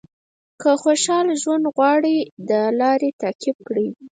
که خوشاله ژوند غواړئ دا لارې تعقیب کړئ.